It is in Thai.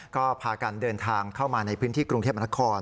ก็พากันเดินทางเข้ามาในพื้นที่กรุงเทพมนคร